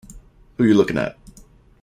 Who You Looking At?